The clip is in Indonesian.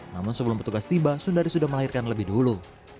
namun sebelum petugas tiba sundari sudah melahirkan lebih dulu